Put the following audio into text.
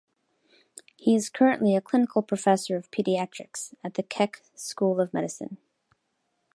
He is currently a Clinical Professor of Pediatrics at the Keck School of Medicine.